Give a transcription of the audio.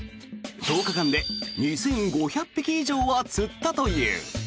１０日間で２５００匹以上は釣ったという。